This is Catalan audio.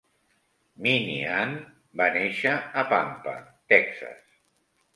Minihan va néixer a Pampa, Texas.